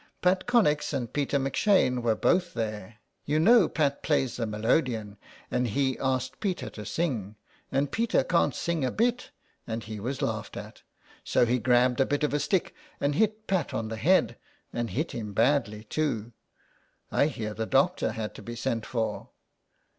Pat Connex and Peter M 'Shane were both there. You know Pat plays the melodion, and he asked Peter to sing, and Peter can't sing a bit, and he was laughed at. So he grabbed a bit of stick and hit Pat on the head, and hit him badly, too. I hear the doctor had to be sent for."